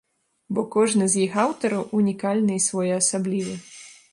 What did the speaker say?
Бо кожны з іх аўтараў унікальны і своеасаблівы.